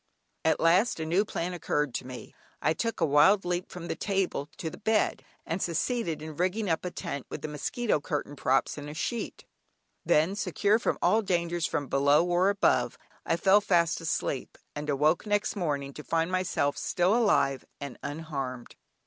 At last a new plan occurred to me. I took a wild leap from the table to the bed, and succeeded in rigging up a tent with the mosquito curtain props, and a sheet. Then, secure from all dangers from below or above, I fell fast asleep, and awoke next morning to find myself still alive and unharmed.